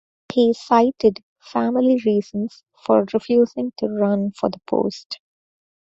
He cited family reasons for refusing to run for the post.